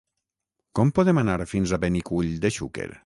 Com podem anar fins a Benicull de Xúquer?